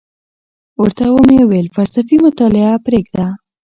ورته ومي ویل فلسفي مطالعه پریږده،